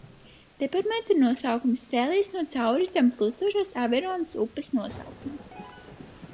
Departamenta nosaukums cēlies no cauri tam plūstošās Averonas upes nosaukuma.